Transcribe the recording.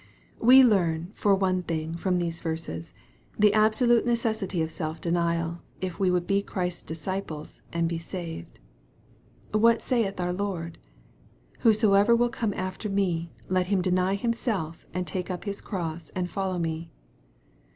We learn, for one thing, from these verses, the absolute necessity of self denial, if we would be Christ's disciples, and be saved. What saith our Lord ?" Whosoever will come after me, let him deny himself, and take up his cross, and follow me."